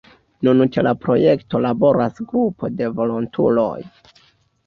Nun ĉe la projekto laboras grupo de volontuloj.